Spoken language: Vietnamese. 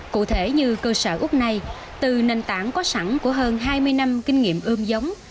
cụ thể như cơ sở úp này từ nền tảng có sẵn của hơn hai mươi năm kinh nghiệm ươm giống